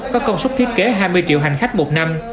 có công suất thiết kế hai mươi triệu hành khách một năm